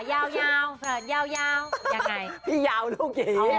ก็จะมาจับมาคึ้งกลาง